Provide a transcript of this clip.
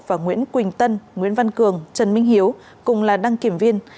và nguyễn quỳnh tân nguyễn văn cường trần minh hiếu cùng là đăng kiểm viên